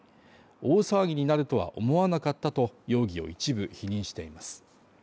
大騒ぎになるとは思わなかったと容疑を一部否認しています。